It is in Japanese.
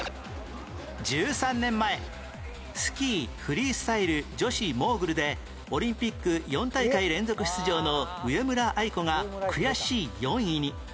１３年前スキーフリースタイル女子モーグルでオリンピック４大会連続出場の上村愛子が悔しい４位に